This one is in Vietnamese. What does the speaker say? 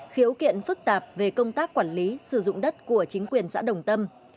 khiếu kiện phức tạp về công tác quản lý sử dụng đất của chính quyền xã đồng tâm